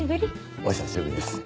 お久しぶりです。